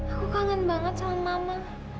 aku kangen banget sama mama